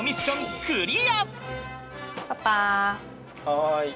はい。